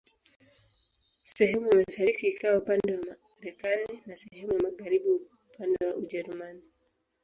Sehemu ya mashariki ikawa upande wa Marekani na sehemu ya magharibi upande wa Ujerumani.